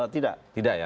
tidak tidak ya